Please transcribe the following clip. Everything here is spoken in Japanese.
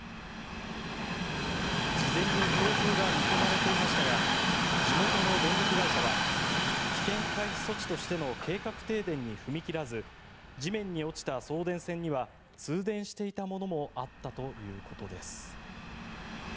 事前に強風が見込まれていましたが地元の電力会社は危険回避措置としての計画停電に踏み切らず地面に落ちた送電線には通電していたものもあったということです。